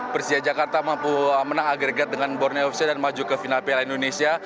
persija jakarta mampu menang agregat dengan borneo fc dan maju ke final piala indonesia